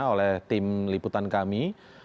oleh tim liputan kami